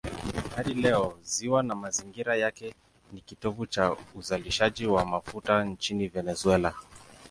Hadi leo ziwa na mazingira yake ni kitovu cha uzalishaji wa mafuta nchini Venezuela.